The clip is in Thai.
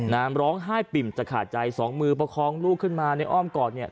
น้ำร้องไห้ปิ่มจะขาดใจสองมือประคองลูกขึ้นมาในอ้อมกอดเนี่ย